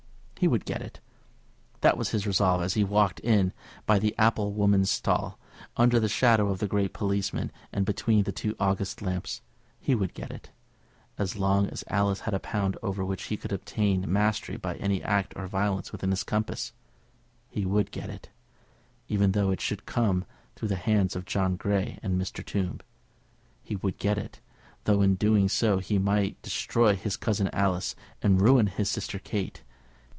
He would get it. That was his resolve as he walked in by the apple woman's stall, under the shadow of the great policeman, and between the two august lamps. He would get it; as long as Alice had a pound over which he could obtain mastery by any act or violence within his compass. He would get it; even though it should come through the hands of John Grey and Mr. Tombe. He would get it; though in doing so he might destroy his cousin Alice and ruin his sister Kate.